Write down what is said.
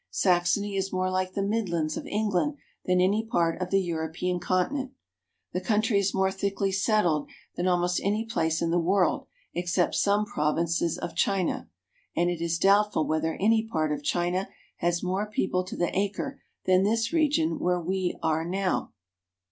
Saxony is more like the Midlands of England than any part of the European continent. The country is more thickly settled than almost any place in the world except some provinces of China, and it is doubtful whether any part of China has more people to the acre than this region where we now are.